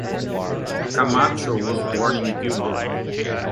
Camacho was born in Guam.